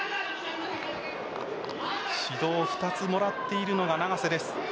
指導２つもらっているのが永瀬です。